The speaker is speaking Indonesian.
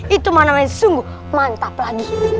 itu mana main sungguh mantap lagi